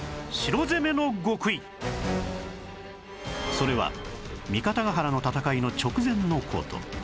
それは三方ヶ原の戦いの直前の事